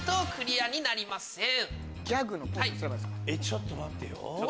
ちょっと待ってよ。